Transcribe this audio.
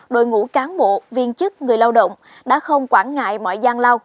đội ngũ cán bộ viên chức người lao động đã không quản ngại mọi gian lao